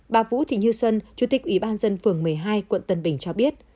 bà vũ thị như xuân chủ tịch ủy ban dân phường một mươi hai quận tân bình cho biết